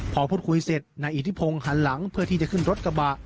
พอพูดคุยเสร็จนายอิทธิพงศ์หันหลังเพื่อที่จะขึ้นรถกระบะ